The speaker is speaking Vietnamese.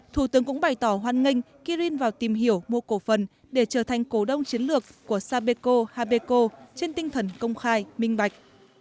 thủ tướng cũng bày tỏ hoan nghênh kirin vào tìm hiểu mua cổ phần để trở thành cổ đông chiến lược của sapeco habeko trên tinh thần công khai minh bạch